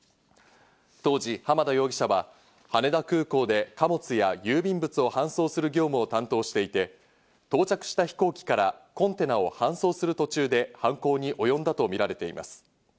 当時、浜田容疑者は羽田空港で貨物や郵便物を搬送する業務を担当していて、到着した飛行機からコンテナを搬送する途中で犯行におよんだとみられています。